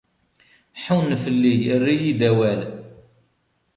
Ḥunn fell-i, err-iyi-d awal.